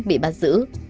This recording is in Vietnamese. bị bắt giữ